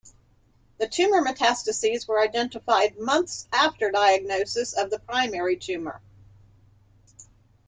The Tumour metastases were identified months after diagnosis of the primary tumour.